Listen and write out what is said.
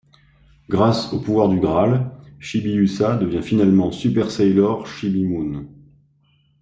Grâce au pouvoir du Graal, Chibiusa devient finalement Super Sailor Chibi Moon.